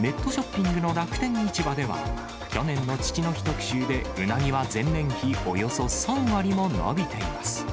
ネットショッピングの楽天市場では、去年の父の日特集でうなぎは前年比およそ３割も伸びています。